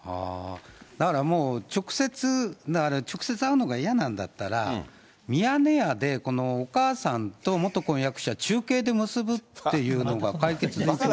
だからもう、直接、だから直接会うのが嫌だったら、ミヤネ屋で、このお母さんと元婚約者、中継で結ぶっていうのが解決につながる。